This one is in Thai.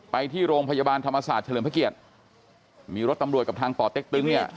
ไปที่โรงพยาบาลธรรมศาสตร์เฉลิมพระเกียรติมีรถตำรวจกับทางป่อเต็กตึงเนี่ย